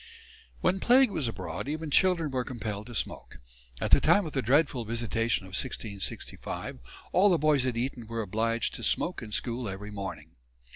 When plague was abroad even children were compelled to smoke. At the time of the dreadful visitation of 1665 all the boys at Eton were obliged to smoke in school every morning.